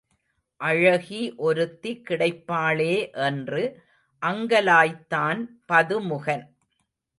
அழகி ஒருத்தி கிடைப்பாளே என்று அங்கலாய்த்தான் பதுமுகன்.